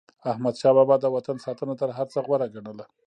احمدشاه بابا به د وطن ساتنه تر هر څه غوره ګڼله.